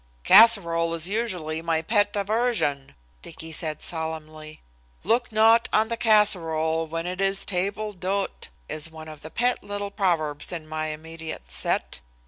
"Casserole is usually my pet aversion," Dicky said solemnly. Look not on the casserole when it is table d'hote, is one of the pet little proverbs in my immediate set.